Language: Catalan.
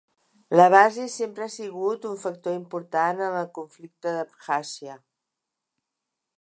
La base sempre ha sigut un factor important en el conflicte d'Abkhàzia.